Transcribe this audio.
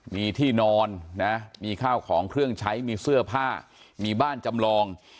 มีที่นอนนะมีข้าวของเครื่องใช้มีเสื้อผ้ามีบ้านจำลอง